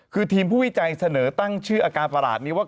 คือทีมผู้วิจัยเสนอตั้งชื่ออาการประหลาดนี้ว่า